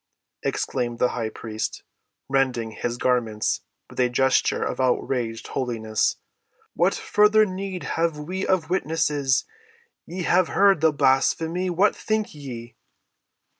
exclaimed the high priest, rending his garments with a gesture of outraged holiness. "What further need have we of witnesses? Ye have heard the blasphemy: what think ye?"